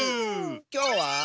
きょうは。